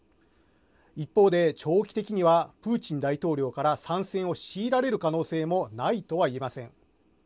一方で長期的にはプーチン大統領から参戦を強いられる可能性もないとは言えません。